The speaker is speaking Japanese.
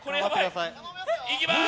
いきます！